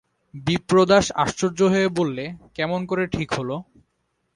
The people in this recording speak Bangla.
বিপ্রদাস আশ্চর্য হয়ে বললে, কেমন করে ঠিক হল?